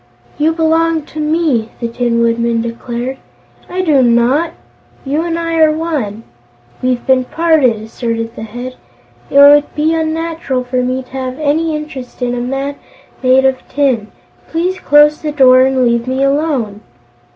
"You belong to me," the Tin Woodman declared. "I do not!" "You and I are one." "We've been parted," asserted the Head. "It would be unnatural for me to have any interest in a man made of tin. Please close the door and leave me alone."